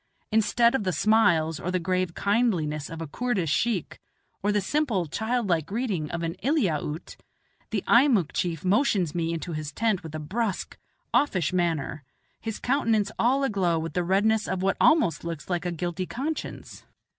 Instead of the smiles or the grave kindliness of a Koordish sheikh, or the simple, childlike greeting of an Eliaute, the Eimuck chief motions me into his tent in a brusque, offish manner, his countenance all aglow with the redness of what almost looks like a guilty conscience.